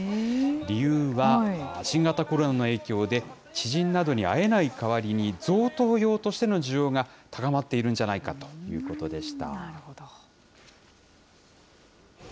理由は、新型コロナの影響で、知人などに会えない代わりに贈答用としての需要が高まっているんなるほど。